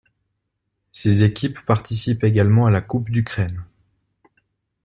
Ses équipes participent également à la Coupe d'Ukraine.